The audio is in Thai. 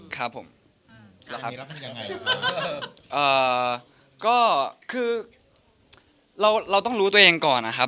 ก็คือเราต้องรู้ตัวเองก่อนนะครับ